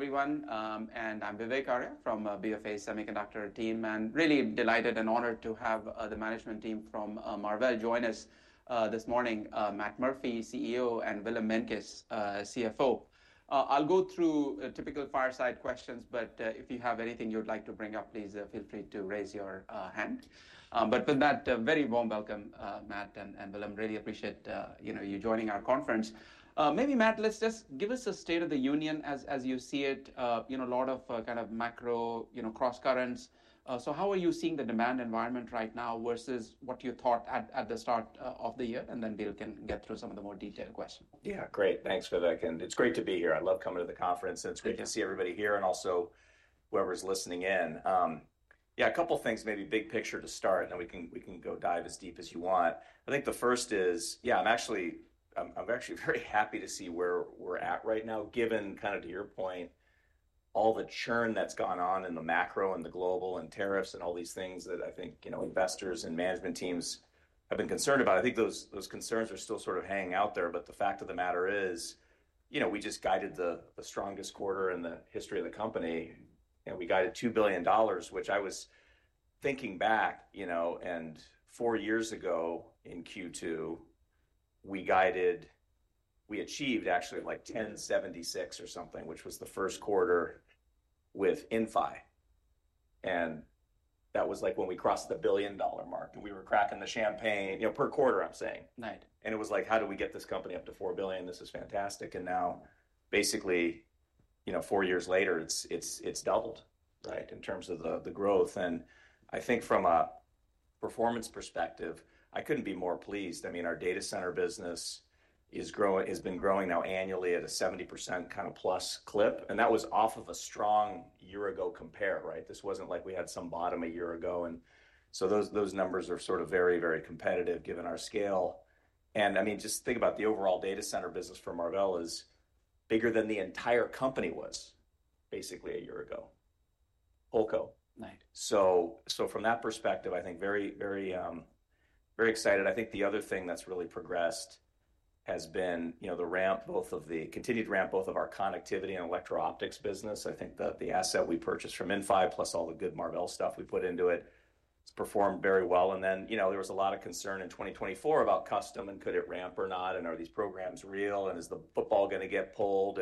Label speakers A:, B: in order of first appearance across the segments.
A: Everyone, and I'm Vivek Arya from BofA Semiconductor team, and really delighted and honored to have the management team from Marvell join us this morning: Matt Murphy, CEO, and Willem Meintjes, CFO. I'll go through typical fireside questions, but if you have anything you'd like to bring up, please feel free to raise your hand. With that, a very warm welcome, Matt and Willem. Really appreciate you joining our conference. Maybe, Matt, just give us a state of the union as you see it. A lot of kind of macro cross-currents. How are you seeing the demand environment right now versus what you thought at the start of the year? We can get through some of the more detailed questions.
B: Yeah, great. Thanks, Vivek. It's great to be here. I love coming to the conference, and it's great to see everybody here and also whoever's listening in. Yeah, a couple of things, maybe big picture to start, and then we can go dive as deep as you want. I think the first is, yeah, I'm actually very happy to see where we're at right now, given kind of, to your point, all the churn that's gone on in the macro and the global and tariffs and all these things that I think investors and management teams have been concerned about. I think those concerns are still sort of hanging out there. The fact of the matter is, we just guided the strongest quarter in the history of the company. We guided $2 billion, which I was thinking back, and four years ago in Q2, we achieved actually like $1.76 billion or something, which was the first quarter with Inphi. That was like when we crossed the $1 billion mark, and we were cracking the champagne per quarter, I'm saying. It was like, how do we get this company up to $4 billion? This is fantastic. Now, basically, four years later, it's doubled in terms of the growth. I think from a performance perspective, I couldn't be more pleased. I mean, our data center business has been growing now annually at a +70% kind of clip. That was off of a strong year-ago compare. This wasn't like we had some bottom a year ago. Those numbers are sort of very, very competitive given our scale. I mean, just think about the overall data center business for Marvell is bigger than the entire company was basically a year ago, whole co. From that perspective, I think very excited. I think the other thing that's really progressed has been the ramp, both of the continued ramp, both of our connectivity and electro-optics business. I think that the asset we purchased from Inphi, plus all the good Marvell stuff we put into it, it's performed very well. There was a lot of concern in 2024 about custom, and could it ramp or not? Are these programs real? Is the football going to get pulled?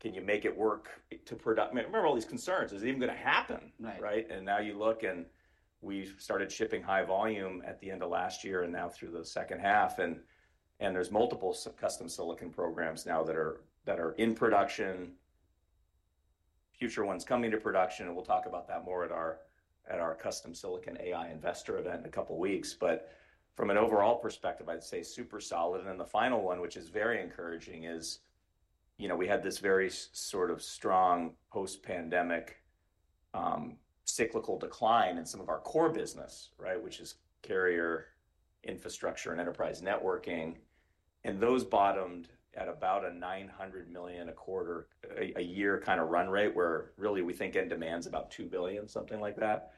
B: Can you make it work to production? I mean, remember all these concerns. Is it even going to happen? Now you look, and we started shipping high volume at the end of last year and now through the second half. There is multiple custom silicon programs now that are in production, with future ones coming to production. We will talk about that more at our Custom Silicon AI Investor event in a couple of weeks. From an overall perspective, I would say super solid. The final one, which is very encouraging, is we had this very sort of strong post-pandemic cyclical decline in some of our core business, which is carrier infrastructure and enterprise networking. Those bottomed at about a $900 million a quarter, a year kind of run rate, where really we think end demand is about $2 billion, something like that.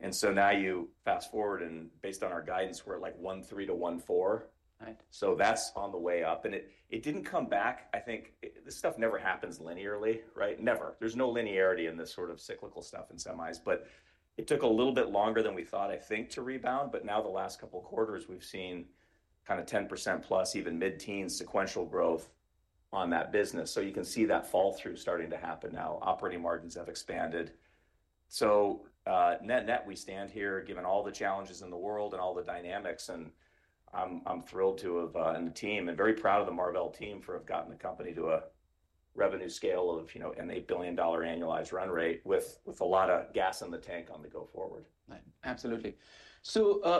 B: Now you fast forward, and based on our guidance, we are like $1.3 billion-$1.4 billion. That is on the way up. It didn't come back. I think this stuff never happens linearly, never. There is no linearity in this sort of cyclical stuff in semis. It took a little bit longer than we thought, I think, to rebound. But now the last couple of quarters, we have seen kind of +10%, even mid-teens sequential growth on that business. You can see that fall-through starting to happen now. Operating margins have expanded. Net-net we stand here, given all the challenges in the world and all the dynamics. I am thrilled to have the team, and very proud of the Marvell team for having gotten the company to a revenue scale of an $8 billion annualized run rate with a lot of gas in the tank on the go-forward.
A: Absolutely.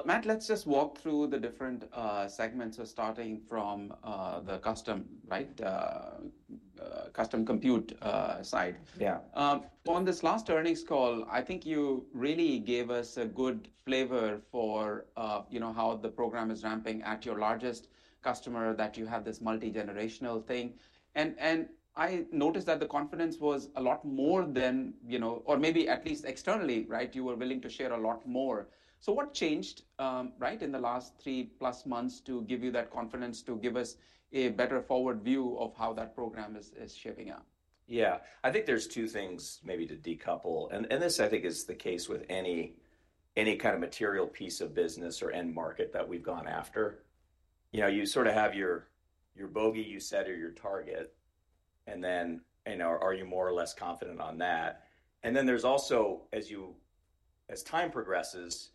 A: Matt, let's just walk through the different segments, starting from the custom compute side. On this last earnings call, I think you really gave us a good flavor for how the program is ramping at your largest customer, that you have this multi-generational thing. I noticed that the confidence was a lot more than, or maybe at least externally, you were willing to share a lot more. What changed in the last three-plus months to give you that confidence, to give us a better forward view of how that program is shaping up?
B: Yeah. I think there is two things maybe to decouple. This, I think, is the case with any kind of material piece of business or end market that we've gone after. You sort of have your bogey, you said, or your target. Are you more or less confident on that? There is also, as time progresses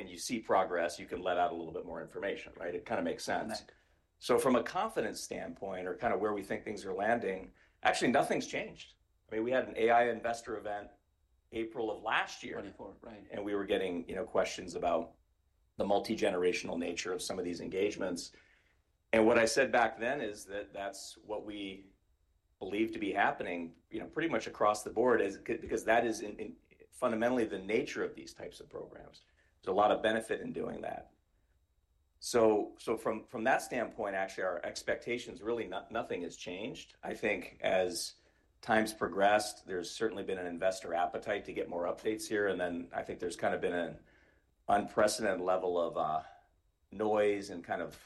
B: and you see progress, you can let out a little bit more information. It kind of makes sense. From a confidence standpoint, or kind of where we think things are landing, actually, nothing's changed. I mean, we had an AI investor event April of last year.
A: 2024, right.
B: We were getting questions about the multi-generational nature of some of these engagements. What I said back then is that that's what we believe to be happening pretty much across the board, because that is fundamentally the nature of these types of programs. There's a lot of benefit in doing that. From that standpoint, actually, our expectations, really nothing has changed. I think as times progressed, there's certainly been an investor appetite to get more updates here. I think there's kind of been an unprecedented level of noise and kind of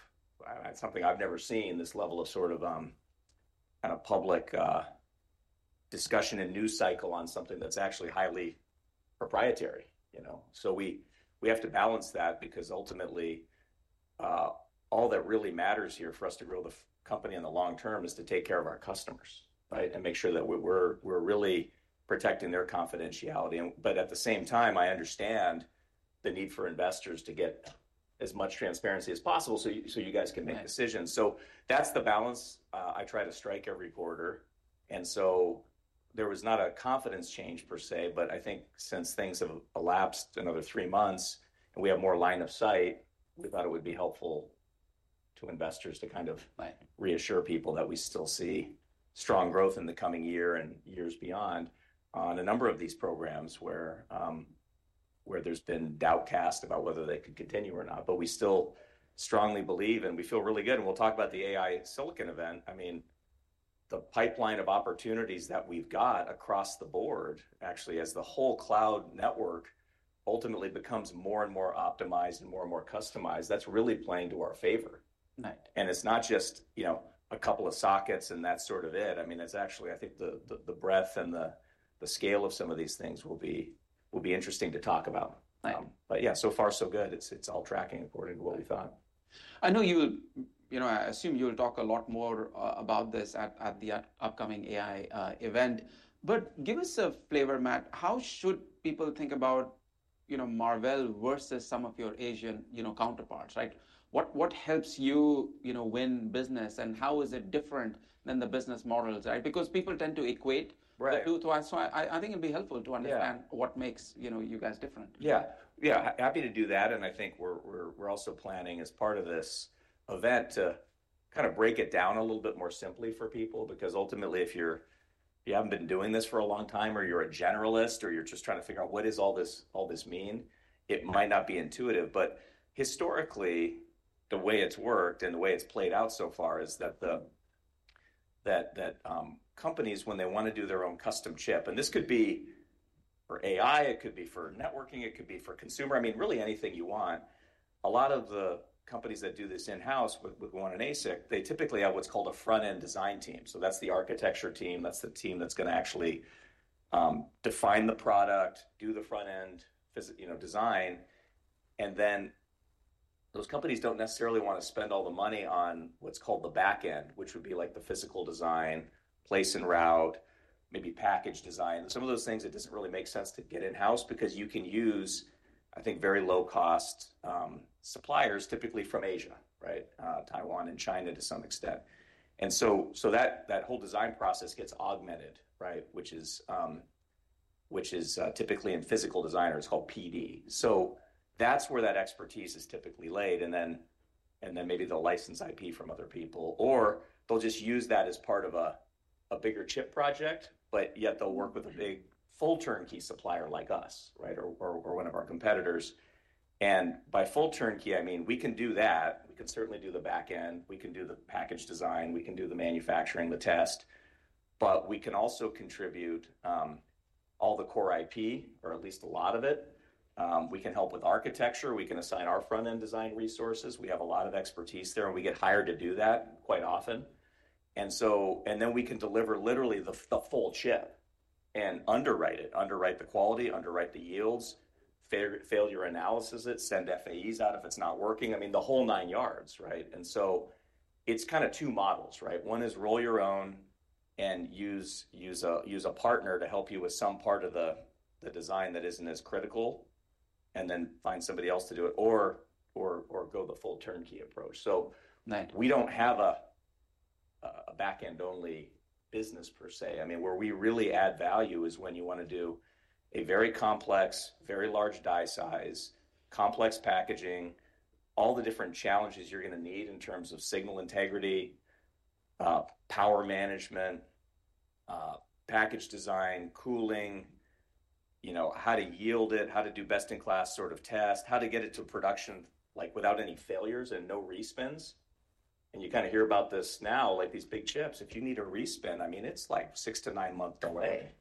B: something I've never seen, this level of sort of kind of public discussion and news cycle on something that's actually highly proprietary. We have to balance that, because ultimately, all that really matters here for us to grow the company in the long term is to take care of our customers and make sure that we're really protecting their confidentiality. At the same time, I understand the need for investors to get as much transparency as possible so you guys can make decisions. That's the balance I try to strike every quarter. There was not a confidence change per se. I think since things have elapsed another three months and we have more line of sight, we thought it would be helpful to investors to kind of reassure people that we still see strong growth in the coming year and years beyond on a number of these programs where there's been doubt cast about whether they could continue or not. We still strongly believe, and we feel really good, and we'll talk about the AI silicon event. I mean, the pipeline of opportunities that we've got across the board, actually, as the whole cloud network ultimately becomes more and more optimized and more and more customized, that's really playing to our favor. It's not just a couple of sockets and that's sort of it. I mean, it's actually, I think the breadth and the scale of some of these things will be interesting to talk about. Yeah, so far, so good. It's all tracking according to what we thought.
A: I know you would, I assume you would talk a lot more about this at the upcoming AI event. Give us a flavor, Matt. How should people think about Marvell versus some of your Asian counterparts? What helps you win business, and how is it different than the business models, right? Because people tend to equate the two to us. I think it'd be helpful to understand what makes you guys different.
B: Yeah. Happy to do that. I think we're also planning, as part of this event, to kind of break it down a little bit more simply for people, because ultimately, if you haven't been doing this for a long time, or you're a generalist, or you're just trying to figure out what does all this mean, it might not be intuitive. Historically, the way it's worked and the way it's played out so far is that companies, when they want to do their own custom chip, and this could be for AI, it could be for networking, it could be for consumer, I mean, really anything you want, a lot of the companies that do this in-house with one in ASIC, they typically have what's called a front-end design team. That's the architecture team. That's the team that's going to actually define the product, do the front-end design. Those companies don't necessarily want to spend all the money on what's called the back end, which would be like the physical design, place and route, maybe package design. Some of those things that doesn't really make sense to get in-house, because you can use, I think, very low-cost suppliers, typically from Asia, Taiwan and China to some extent. That whole design process gets augmented, which is typically in physical designers. It's called PD. That's where that expertise is typically laid. Then maybe they'll license IP from other people, or they'll just use that as part of a bigger chip project, but yet they'll work with a big full turnkey supplier like us or one of our competitors. By full turnkey, I mean, we can do that. We can certainly do the back end. We can do the package design. We can do the manufacturing, the test. But we can also contribute all the core IP, or at least a lot of it. We can help with architecture. We can assign our front-end design resources. We have a lot of expertise there. We get hired to do that quite often. Then we can deliver literally the full chip and underwrite it, underwrite the quality, underwrite the yields, failure analysis it, send FAEs out if it is not working. I mean, the whole nine yards. It is kind of two models. One is roll your own and use a partner to help you with some part of the design that isn't as critical, and then find somebody else to do it, or go the full turnkey approach. We don't have a back-end-only business per se. I mean, where we really add value is when you want to do a very complex, a very large die size, complex packaging, all the different challenges you're going to need in terms of signal integrity, power management, package design, cooling, how to yield it, how to do best-in-class sort of test, how to get it to production without any failures and no respins. You kind of hear about this now, like these big chips, if you need a respin, I mean, it's like six to nine months delay.
A: Right.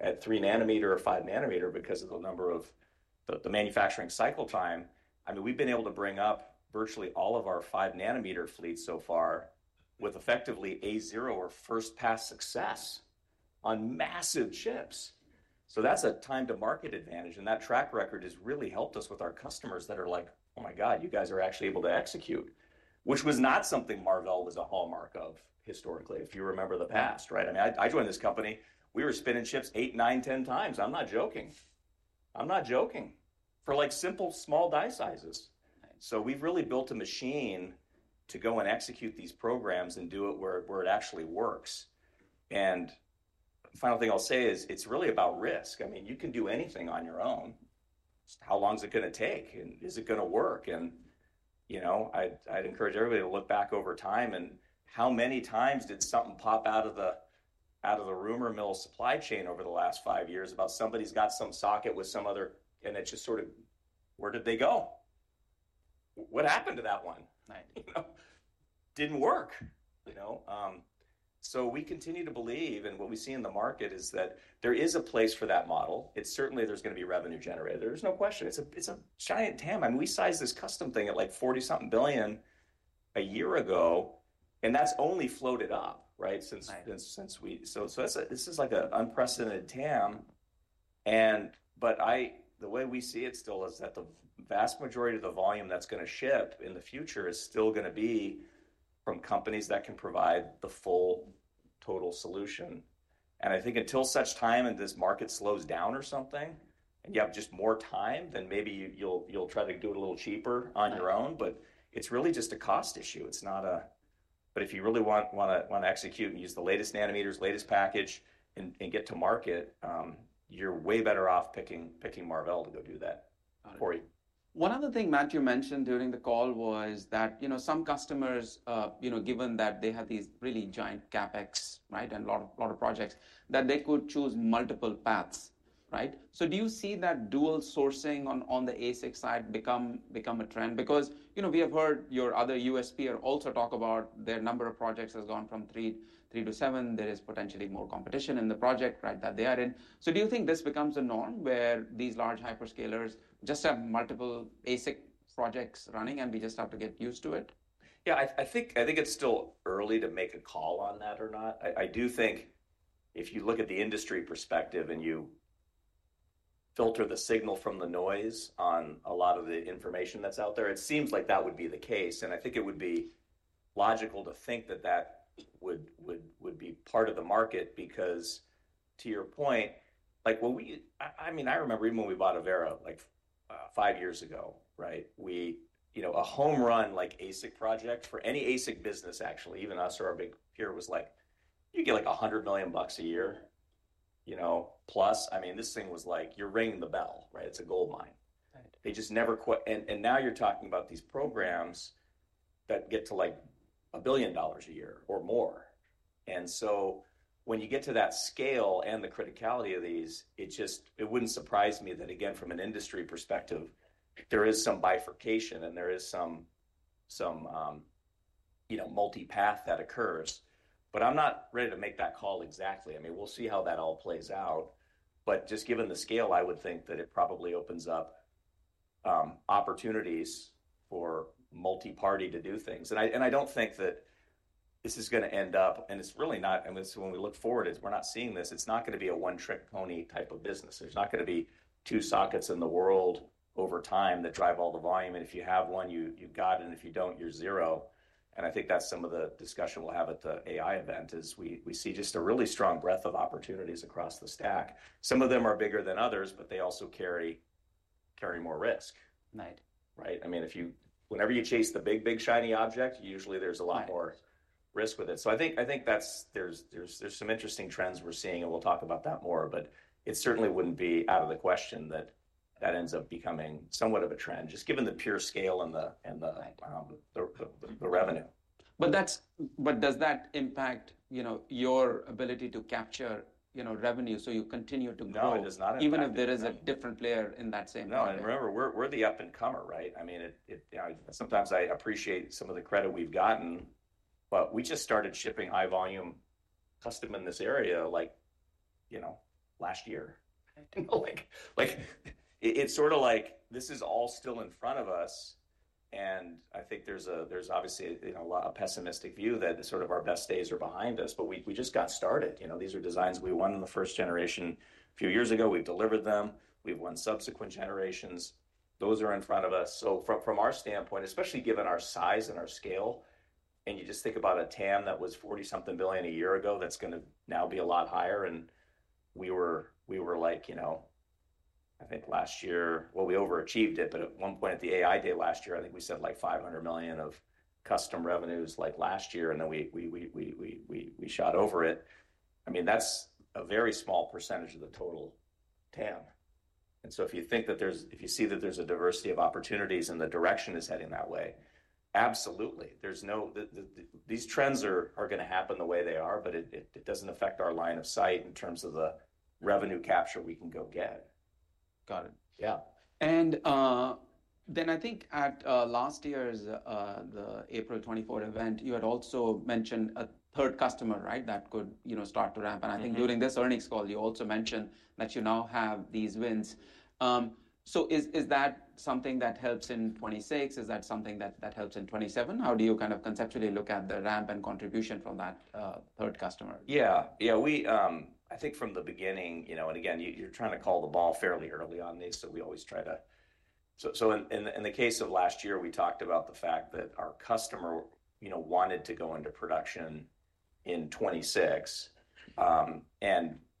B: At 3 nm or 5 nm because of the number of the manufacturing cycle time. I mean, we've been able to bring up virtually all of our 5 nm fleets so far with effectively A0 or first-pass success on massive chips. That is a time-to-market advantage. That track record has really helped us with our customers that are like, "Oh my God, you guys are actually able to execute," which was not something Marvell was a hallmark of historically, if you remember the past. I mean, I joined this company. We were spinning chips eight, nine, 10 times. I'm not joking. For simple small die sizes. We've really built a machine to go and execute these programs and do it where it actually works. The final thing I'll say is it's really about risk. I mean, you can do anything on your own. How long is it going to take? Is it going to work? I'd encourage everybody to look back over time. How many times did something pop out of the rumor mill supply chain over the last five years about somebody's got some socket with some other, and it just sort of, where did they go? What happened to that one? It didn't work. We continue to believe, and what we see in the market is that there is a place for that model. It certainly there is going to be a revenue generator. There is no question. It is a giant TAM. I mean, we sized this custom thing at like $40-something billion a year ago, and that's only floated up since. This is like an unprecedented TAM. The way we see it still is that the vast majority of the volume that is going to ship in the future is still going to be from companies that can provide the full total solution. I think until such time and this market slows down or something, and you have just more time, then maybe you will try to do it a little cheaper on your own. It's really just a cost issue. If you really want to execute and use the latest nanometers, latest package, and get to market, you are way better off picking Marvell to go do that for you.
A: One other thing Matt mentioned during the call was that some customers, given that they have these really giant CapEx and a lot of projects, that they could choose multiple paths. Do you see that dual sourcing on the ASIC side become a trend? Because we have heard your other USP also talk about their number of projects has gone from three to seven. There is potentially more competition in the project that they are in. Do you think this becomes a norm where these large hyperscalers just have multiple ASIC projects running, and we just have to get used to it?
B: Yeah. I think it's still early to make a call on that or not. I do think if you look at the industry perspective and you filter the signal from the noise on a lot of the information that's out there, it seems like that would be the case. I think it would be logical to think that that would be part of the market, because to your point, I mean, I remember even when we bought Avera five years ago, a home run like ASIC project for any ASIC business, actually, even us or our big peer was like, you get like +$100 million a year. I mean, this thing was like you're ringing the bell. It's a gold mine. They just never quit. Now you're talking about these programs that get to like $1 billion a year or more. When you get to that scale and the criticality of these, it wouldn't surprise me that, again, from an industry perspective, there is some bifurcation and there is some multi-path that occurs. I am not ready to make that call exactly. I mean, we will see how that all plays out. Just given the scale, I would think that it probably opens up opportunities for multi-party to do things. I don't think that this is going to end up, and it is really not, unless when we look forward, we are not seeing this. It is not going to be a one-trick pony type of business. There is not going to be two sockets in the world over time that drive all the volume. If you have one, you've got it, and if you don't, you are zero. I think that's some of the discussion we'll have at the AI event. We see just a really strong breadth of opportunities across the stack. Some of them are bigger than others, but they also carry more risk.
A: Right.
B: I mean, whenever you chase the big, big shiny object, usually there's a lot more risk with it. I think there's some interesting trends we're seeing, and we'll talk about that more. It certainly wouldn't be out of the question that that ends up becoming somewhat of a trend, just given the pure scale and the revenue.
A: Does that impact your ability to capture revenue so you continue to grow?
B: No, it does not.
A: Even if there is a different player in that same line?
B: No, I remember we're the up-and-comer. I mean, sometimes I appreciate some of the credit we've gotten, but we just started shipping high-volume custom in this area last year. It's sort of like this is all still in front of us. I think there's obviously a pessimistic view that sort of our best days are behind us. We just got started. These are designs we won in the first generation a few years ago. We've delivered them. We've won subsequent generations. Those are in front of us. From our standpoint, especially given our size and our scale, you just think about a TAM that was $40-something billion a year ago that's going to now be a lot higher. We were, I think last year, well, we overachieved it. At one point at the AI day last year, I think we said like $500 million of custom revenues last year, and then we shot over it. I mean, that's a very small percentage of the total TAM. If you see that there's a diversity of opportunities and the direction is heading that way, absolutely. These trends are going to happen the way they are, but it doesn't affect our line of sight in terms of the revenue capture we can go get.
A: Got it. Yeah. I think at last year's April 2024 event, you had also mentioned a third customer that could start to ramp. I think during this earnings call, you also mentioned that you now have these wins. Is that something that helps in 2026? Is that something that helps in 2027? How do you kind of conceptually look at the ramp and contribution from that third customer?
B: Yeah. I think from the beginning, and again, you're trying to call the ball fairly early on these. We always try to, so in the case of last year, we talked about the fact that our customer wanted to go into production in 2026.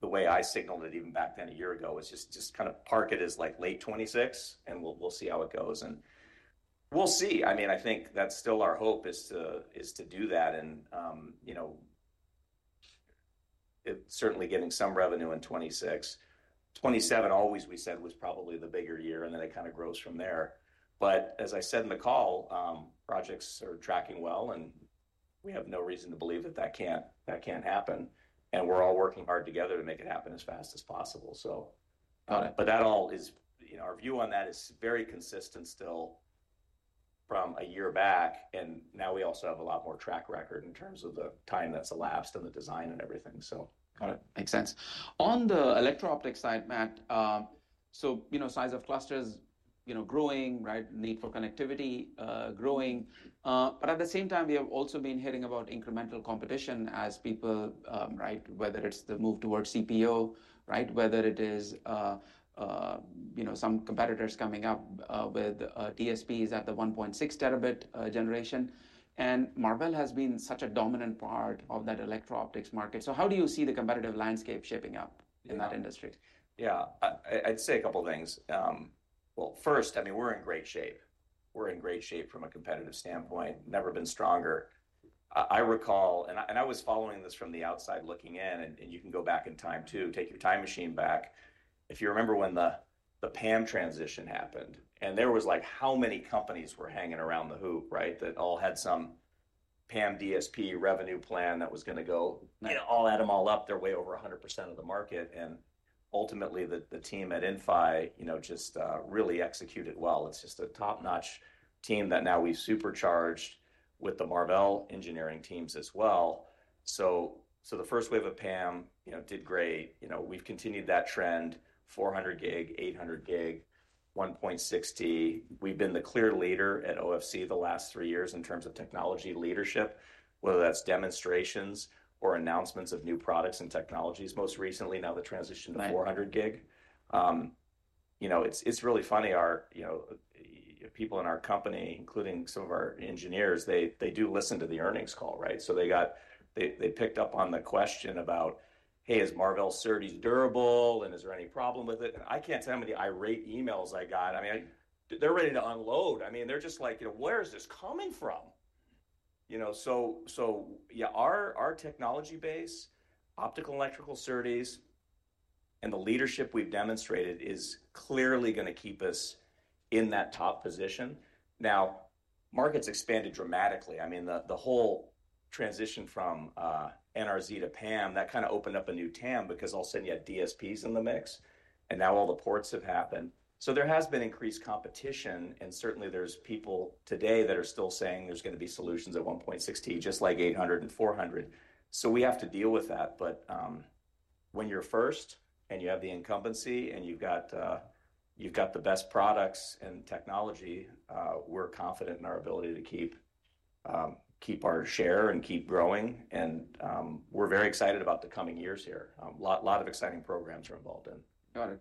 B: The way I signaled it even back then a year ago was just kind of park it as like late 2026, and we'll see how it goes. We'll see. I mean, I think that's still our hope is to do that. Certainly getting some revenue in 2026. 2027, always we said was probably the bigger year, and then it kind of grows from there. As I said in the call, projects are tracking well, and we have no reason to believe that that can't happen. We're all working hard together to make it happen as fast as possible. That all is our view on that is very consistent still from a year back. Now we also have a lot more track record in terms of the time that's elapsed and the design and everything.
A: Got it. Makes sense. On the electro-optic side, Matt, so size of clusters growing, need for connectivity growing. At the same time, we have also been hearing about incremental competition as people, whether it's the move towards CPO, whether it is some competitors coming up with DSPs at the 1.6 TB generation. Marvell has been such a dominant part of that electro-optics market. How do you see the competitive landscape shaping up in that industry?
B: Yeah. I'd say a couple of things. First, I mean, we're in great shape. We're in great shape from a competitive standpoint. Never been stronger. I was following this from the outside looking in, and you can go back in time too, take your time machine back. If you remember when the PAM transition happened, and there was like how many companies were hanging around the hoop that all had some PAM DSP revenue plan that was going to go, all add them all up, they're way over 100% of the market. Ultimately, the team at Inphi just really executed well. It's just a top-notch team that now we supercharged with the Marvell engineering teams as well. The first wave of PAM did great. We've continued that trend, 400 GB, 800 GB, 1.6 TB. We've been the clear leader at OFC the last three years in terms of technology leadership, whether that's demonstrations or announcements of new products and technologies. Most recently, now the transition to 400 GB. It's really funny. People in our company, including some of our engineers, they do listen to the earnings call. They picked up on the question about, "Hey, is Marvell's SerDes durable? And is there any problem with it?" I can't tell how many irate emails I got. I mean, they're ready to unload. I mean, they're just like, "Where is this coming from?" Our technology base, optical and electrical SerDes, and the leadership we've demonstrated is clearly going to keep us in that top position. Now, markets expanded dramatically. I mean, the whole transition from NRZ to PAM, that kind of opened up a new TAM because all of a sudden you had DSPs in the mix, and now all the ports have happened. There has been increased competition. Certainly, there's people today that are still saying there's going to be solutions at 1.6 TB, just like 800 GB and 400GB. We have to deal with that. When you're first and you have the incumbency and you've got the best products and technology, we're confident in our ability to keep our share and keep growing. We're very excited about the coming years here. A lot of exciting programs are involved in.
A: Got it.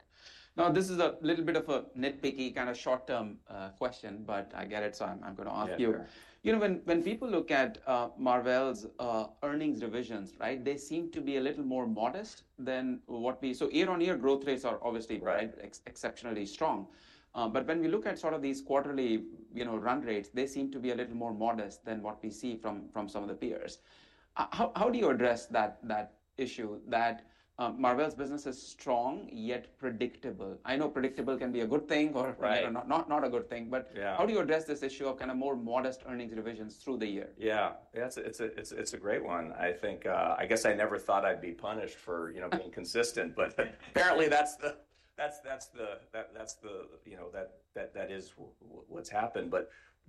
A: Now, this is a little bit of a nitpicky kind of short-term question, but I get it. So I am going to ask you. When people look at Marvell's earnings revisions, they seem to be a little more modest than what we, so year-on-year growth rates are obviously exceptionally strong. When we look at sort of these quarterly run rates, they seem to be a little more modest than what we see from some of the peers. How do you address that issue that Marvell's business is strong yet predictable? I know predictable can be a good thing or not a good thing, but how do you address this issue of kind of more modest earnings revisions through the year?
B: Yeah. It's a great one. I guess I never thought I'd be punished for being consistent, but apparently that is what's happened.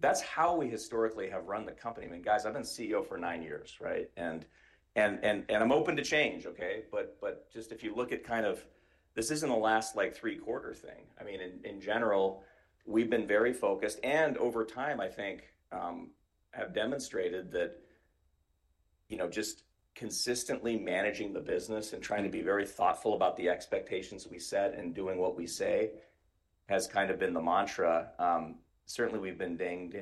B: That is how we historically have run the company. I mean, guys, I've been CEO for nine years, and I'm open to change. Just if you look at kind of this isn't a last three-quarter thing. I mean, in general, we've been very focused and over time, I think, have demonstrated that just consistently managing the business and trying to be very thoughtful about the expectations we set and doing what we say has kind of been the mantra. Certainly, we've been dinged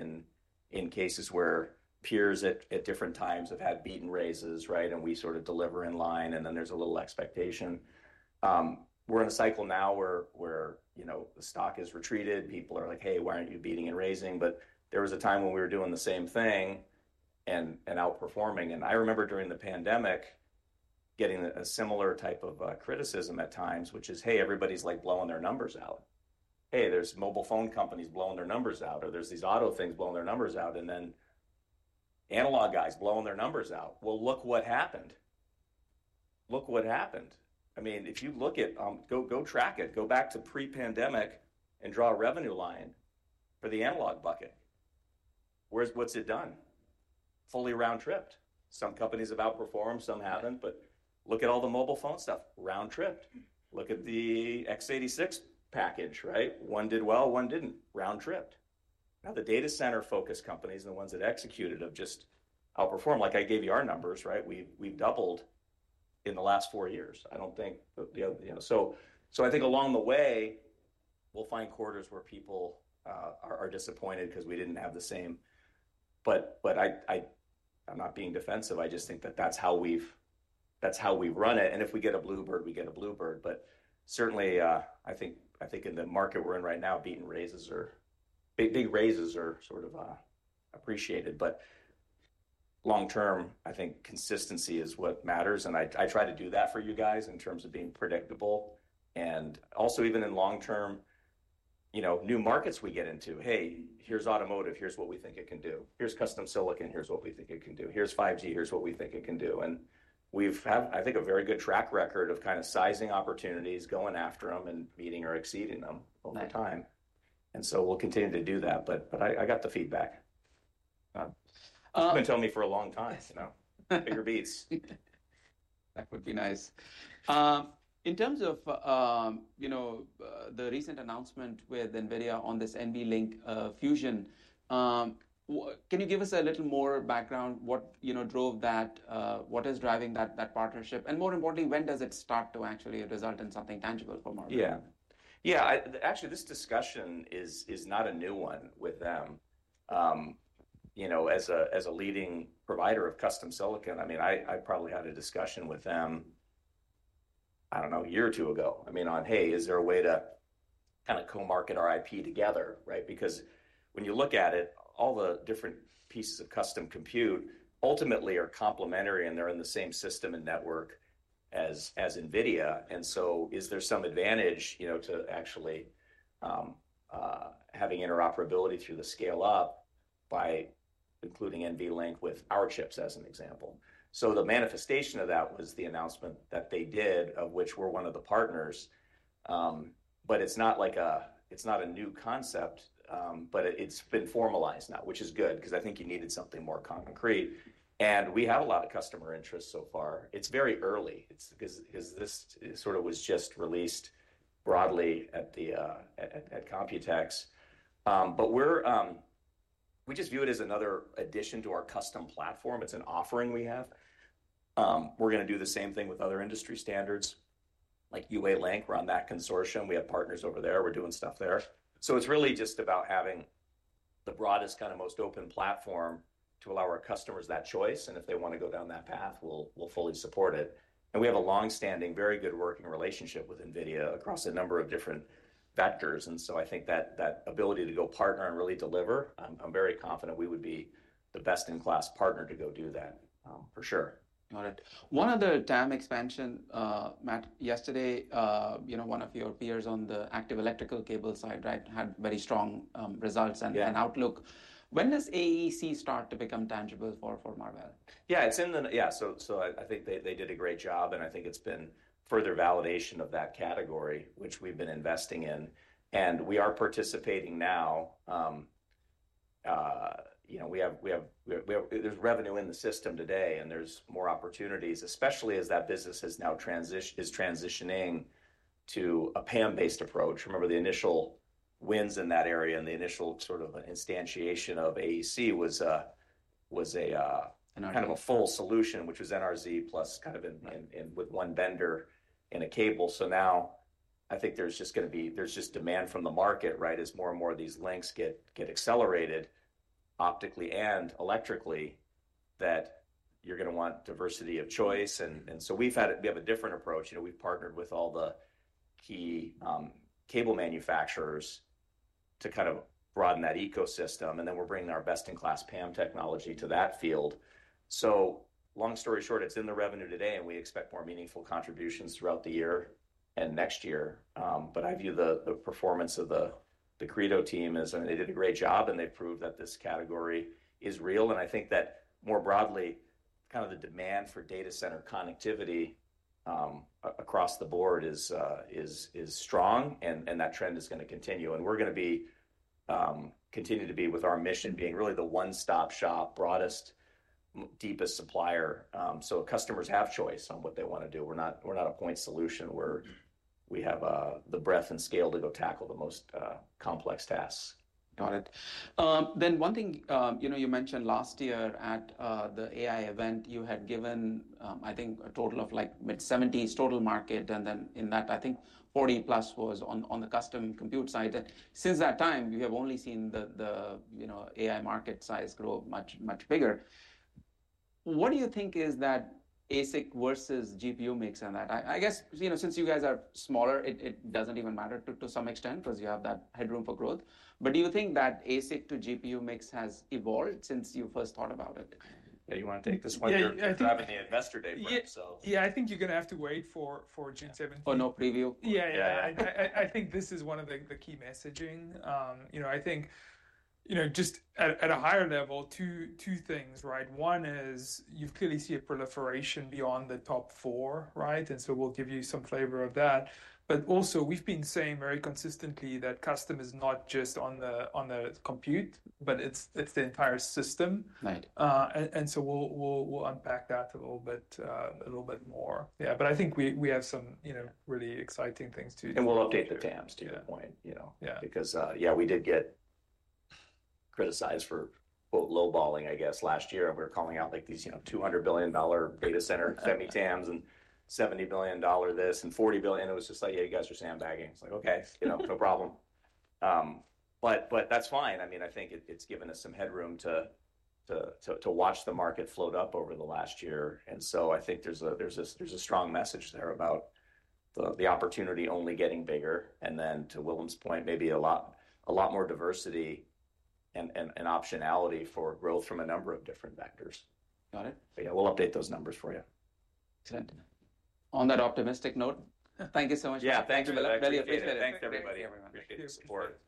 B: in cases where peers at different times have had beaten raises, and we sort of deliver in line, and then there's a little expectation. We're in a cycle now where the stock has retreated. People are like, "Hey, why aren't you beating and raising?" There was a time when we were doing the same thing and outperforming. I remember during the pandemic getting a similar type of criticism at times, which is, "Hey, everybody's blowing their numbers out. Hey, there's mobile phone companies blowing their numbers out, or there's these auto things blowing their numbers out, and then analog guys blowing their numbers out." Look what happened. I mean, if you look at, go track it, go back to pre-pandemic and draw a revenue line for the analog bucket. What's it done? Fully round-tripped. Some companies have outperformed, some haven't. Look at all the mobile phone stuff, round-tripped. Look at the x86 package. One did well, one didn't, round-tripped. Now, the data center-focused companies and the ones that executed have just outperformed. Like I gave you our numbers, we've doubled in the last four years. I don't think, so I think along the way, we'll find quarters where people are disappointed because we didn't have the same. I'm not being defensive. I just think that that's how we've run it. If we get a bluebird, we get a bluebird. Certainly, I think in the market we're in right now, big raises are sort of appreciated. Long-term, I think consistency is what matters. I try to do that for you guys in terms of being predictable. Also, even in long-term, new markets we get into, "Hey, here's automotive. Here's what we think it can do. Here's custom silicon. Here's what we think it can do. Here's 5G. Here's what we think it can do." We've had, I think, a very good track record of kind of sizing opportunities, going after them and beating or exceeding them over time. We'll continue to do that. I got the feedback. You've been telling me for a long time, bigger beats.
A: That would be nice. In terms of the recent announcement with NVIDIA on this NVLink fusion, can you give us a little more background? What drove that? What is driving that partnership? More importantly, when does it start to actually result in something tangible for Marvell?
B: Yeah. Actually, this discussion is not a new one with them. As a leading provider of custom silicon, I mean, I probably had a discussion with them, I don't know, a year or two ago, I mean, on, "Hey, is there a way to kind of co-market our IP together?" Because when you look at it, all the different pieces of custom compute ultimately are complementary, and they are in the same system and network as NVIDIA. Is there some advantage to actually having interoperability through the scale-up by including NVLink with our chips as an example? The manifestation of that was the announcement that they did, of which we are one of the partners. It is not a new concept, but it's been formalized now, which is good because I think you needed something more concrete. We have a lot of customer interest so far. It's very early because this sort of was just released broadly at COMPUTEX. We just view it as another addition to our custom platform. It's an offering we have. We're going to do the same thing with other industry standards like UALink. We're on that consortium. We have partners over there. We're doing stuff there. It's really just about having the broadest kind of most open platform to allow our customers that choice. If they want to go down that path, we'll fully support it. We have a long-standing, very good working relationship with NVIDIA across a number of different vectors. I think that ability to go partner and really deliver, I'm very confident we would be the best-in-class partner to go do that for sure.
A: Got it. One of the TAM expansion, Matt, yesterday, one of your peers on the active electrical cable side had very strong results and outlook. When does AEC start to become tangible for Marvell?
B: Yeah. I think they did a great job, and I think it's been further validation of that category, which we've been investing in. We are participating now. There's revenue in the system today, and there's more opportunities, especially as that business is transitioning to a PAM-based approach. Remember the initial wins in that area and the initial sort of instantiation of AEC was kind of a full solution, which was NRZ plus kind of with one vendor in a cable. I think there's just going to be, there's just demand from the market as more and more of these links get accelerated optically and electrically that you're going to want diversity of choice. We have a different approach. We've partnered with all the key cable manufacturers to kind of broaden that ecosystem. Then we are bringing our best-in-class PAM technology to that field. Long story short, it's in the revenue today, and we expect more meaningful contributions throughout the year and next year. I view the performance of the Credo team as they did a great job, and they proved that this category is real. I think that more broadly, kind of the demand for data center connectivity across the board is strong, and that trend is going to continue. We're going to continue to be with our mission being really the one-stop shop, broadest, deepest supplier. Customers have choice on what they want to do. We're not a point solution. We have the breadth and scale to go tackle the most complex tasks.
A: Got it. One thing you mentioned last year at the AI event, you had given, I think, a total of mid-70s total market, and in that, I think +40 was on the custom compute side. Since that time, you have only seen the AI market size grow much bigger. What do you think is that ASIC versus GPU mix in that? I guess since you guys are smaller, it doesn't even matter to some extent because you have that headroom for growth. Do you think that ASIC to GPU mix has evolved since you first thought about it?
B: Yeah. You want to take this one? You're having the investor day for yourself.
C: Yeah. I think you're going to have to wait for June 17th.
B: Oh, no preview? Yeah. I think this is one of the key messaging. I think just at a higher level, two things. One is you clearly see a proliferation beyond the top four. And so we'll give you some flavor of that. Also, we've been saying very consistently that custom is not just on the compute, but it's the entire system. We'll unpack that a little bit more. Yeah. I think we have some really exciting things to do. We'll update the TAMs to your point because, yeah, we did get criticized for "lowballing", I guess, last year. We were calling out these $200 billion data center semi-TAMs and $70 billion this and $40 billion. It was just like, "Yeah, you guys are sandbagging." It's like, "Okay, no problem." That's fine. I mean, I think it's given us some headroom to watch the market float up over the last year. I think there's a strong message there about the opportunity only getting bigger. Then to Willem's point, maybe a lot more diversity and optionality for growth from a number of different vectors.
A: Got it.
B: Yeah. We'll update those numbers for you.
A: Excellent. On that optimistic note, thank you so much.
B: Yeah. Thank you, Meintjes. Really appreciate it.
C: Thanks, everybody. Have a good one. Appreciate your support.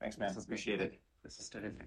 B: Thanks, man. Appreciate it.